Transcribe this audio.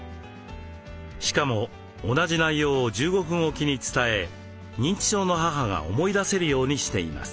しかも同じ内容を１５分おきに伝え認知症の母が思い出せるようにしています。